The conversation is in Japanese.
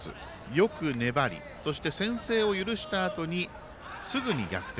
よく粘りそして先制を許したあとにすぐに逆転。